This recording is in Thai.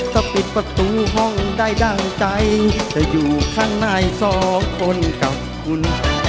ถ้าปิดประตูห้องได้ดั่งใจจะอยู่ข้างในสองคนกับคุณ